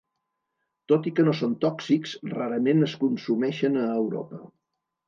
Tot i que no són tòxics rarament es consumeixen a Europa.